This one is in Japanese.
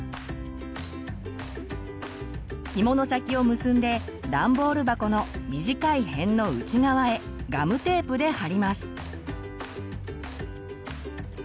ひもの先を結んでダンボール箱の短い辺の内側へガムテープで貼ります。